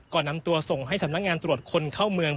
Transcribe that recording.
ก่อนนำตัวส่งให้สำนักงานตรวจคนเข้าเมือง